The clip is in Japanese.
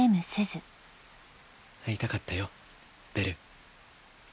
会いたかったよベル。